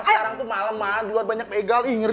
sekarang tuh malem emak di luar banyak pegal ingri